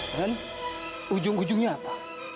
dan ujung ujungnya apa